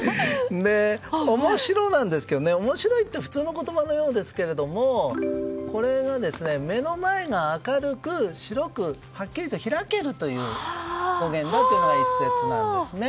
面白なんですけど面白いって普通の言葉のようですが目の前が明るく白くはっきりと開けるという語源がその一説にあるんですね。